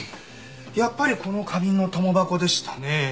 やっぱりこの花瓶の共箱でしたね。